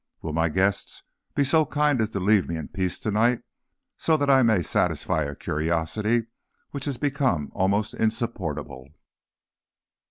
Will my guests be so kind as to leave me in peace to night, so that I may satisfy a curiosity which has become almost insupportable?